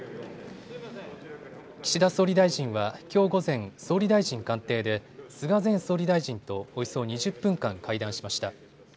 岸田総理大臣はきょう午前、総理大臣官邸で菅前総理大臣とおよそ２０分間、会談しました。